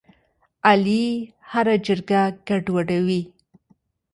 علي هره جرګه ګډوډوي.